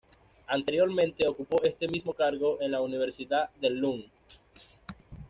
Anteriormente ocupó este mismo cargo en la Universidad de Lund.